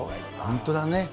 本当だね。